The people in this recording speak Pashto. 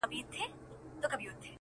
که څه کم و که بالابود و ستا په نوم و؛